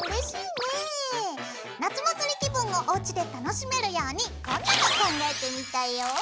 夏祭り気分をおうちで楽しめるようにこんなの考えてみたよ。